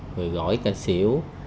rồi gỏi cà xỉu